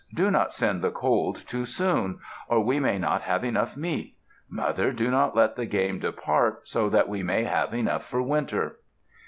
Do not send the cold too soon, or we may not have enough meat. Mother, do not let the game depart, so that we may have enough for winter."